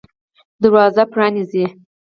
دروازه پرانیزئ